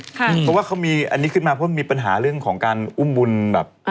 เพราะว่าเขามีอันนี้ขึ้นมาเพราะมีปัญหาเรื่องของการอุ้มบุญแบบ